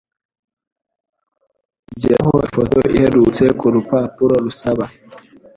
Ongeraho ifoto iherutse kurupapuro rusaba.